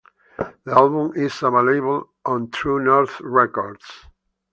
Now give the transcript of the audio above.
The album is available on True North Records.